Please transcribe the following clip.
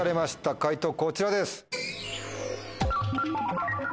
解答こちらです。